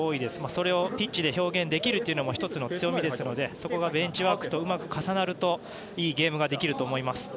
それをピッチで表現できるのも１つの強みですのでそこがベンチワークとうまく重なるといいゲームができると思います。